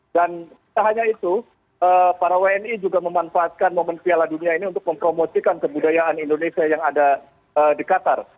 dan tidak hanya itu para wni juga memanfaatkan momen piala dunia ini untuk mempromosikan kebudayaan indonesia yang ada di qatar